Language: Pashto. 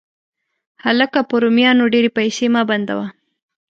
هلکه، په رومیانو ډېرې پیسې مه بندوه.